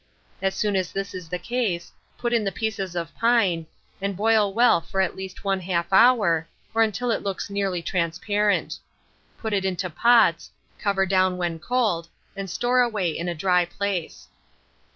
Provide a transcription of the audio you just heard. As soon as this is the case, put in the pieces of pine, and boil well for at least 1/2 hour, or until it looks nearly transparent. Put it into pots, cover down when cold, and store away in a dry place.